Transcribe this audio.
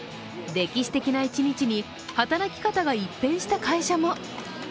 歴史的な一日に働き方が一変した会社も。